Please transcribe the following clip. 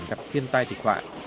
gặp thiên tai thị trường